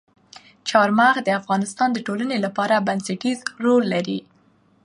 چار مغز د افغانستان د ټولنې لپاره بنسټيز رول لري.